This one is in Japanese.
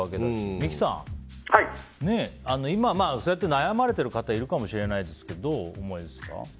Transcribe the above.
三木さん、今悩まれている方いるかもしれないですけどどう思いますか？